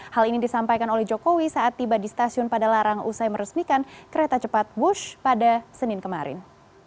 hal ini disampaikan oleh jokowi saat tiba di stasiun padalarang usai meresmikan kereta cepat wush pada senin kemarin